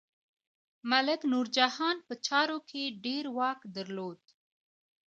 ملکه نورجهان په چارو کې ډیر واک درلود.